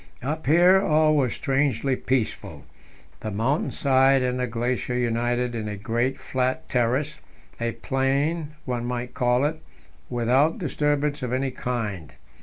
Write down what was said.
Up here all was strangely peaceful; the mountain side and the glacier united in a great flat terrace a plain, one might call it without disturbance of any kind.